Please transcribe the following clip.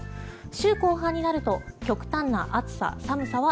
週後半になると極端な暑さ、寒さは